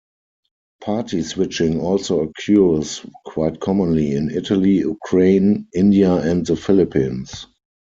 Party switching also occurs quite commonly in Italy, Ukraine, India, and the Philippines.